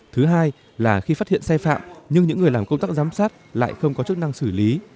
thứ hai là khi phát hiện sai phạm nhưng những người làm công tác giám sát lại không có chức năng xử lý